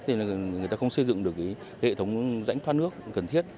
nên người ta không xây dựng được hệ thống rãnh thoát nước cần thiết